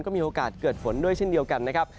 ก็มีโอกาสเกิดฝนด้วยเช่นเดียวกันนะครับ